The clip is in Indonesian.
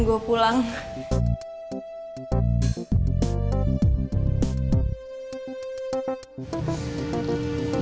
gak usah gey